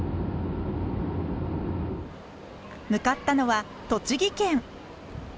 向かったのは栃木県。